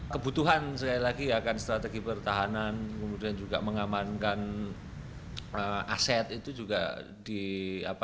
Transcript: tetapi sampai sekarang masih belum dilakukan ekskavasi lebih lanjut sehingga untuk sementara saat ini lorong tersebut ditutup